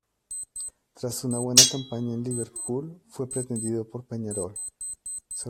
Tras una buena campaña en Liverpool, fue pretendido por Peñarol.